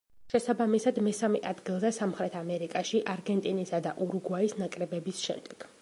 შესაბამისად მესამე ადგილზე სამხრეთ ამერიკაში, არგენტინისა და ურუგვაის ნაკრებების შემდეგ.